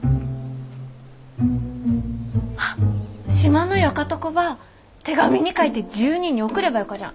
あっ島のよかとこば手紙に書いて１０人に送ればよかじゃん。